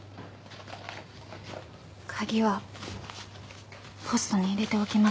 鍵はポストに入れておきます。